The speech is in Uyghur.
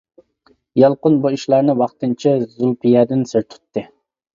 يالقۇن بۇ ئىشلارنى ۋاقتىنچە زۇلپىيەدىن سىر تۇتتى.